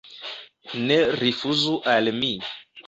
Ne rifuzu al mi.